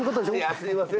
すいません。